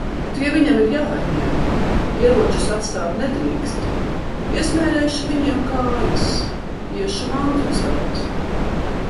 Tie viņam ir jāatņem. Ieročus atstāt nedrīkst. Iesmērēšu viņiem kājas! Iešu mantu celt.